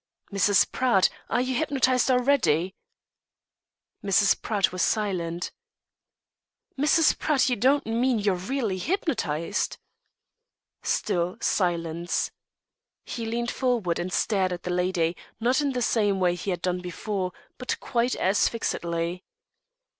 "Mrs. Pratt, are you hypnotised already?" Mrs. Pratt was silent. "Mrs. Pratt, you don't mean you're really hypnotised?" Still silence. He leant forward and stared at the lady, not in the same way he had done before, but quite as fixedly.